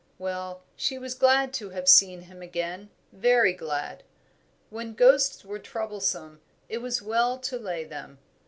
Well, she was glad to have seen him again, very glad. When ghosts were troublesome it was well to lay them.